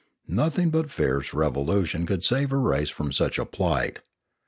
Nothing but fierce revolution could save a race from such a plight.